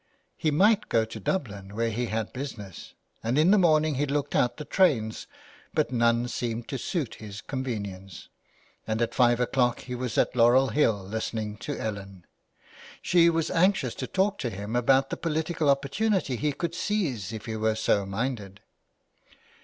He might go to Dublin, where he had business, and in the morning he looked out the trains, but none seemed to suit his convenience, and at 5 o'clock he was at Laurel Hill listening to Ellen. She was anxious to talk to him about the political opportunity he could seize if he were so minded.